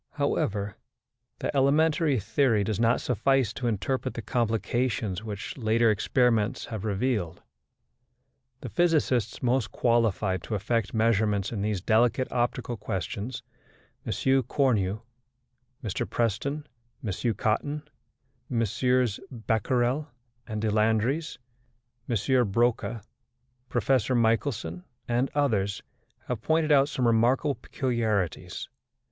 However, the elementary theory does not suffice to interpret the complications which later experiments have revealed. The physicists most qualified to effect measurements in these delicate optical questions M. Cornu, Mr Preston, M. Cotton, MM. Becquerel and Deslandres, M. Broca, Professor Michelson, and others have pointed out some remarkable peculiarities.